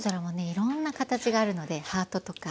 いろんな形があるのでハートとか。